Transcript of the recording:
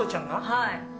はい。